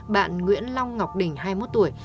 bạn nguyễn long ngọc đình hai mươi một tuổi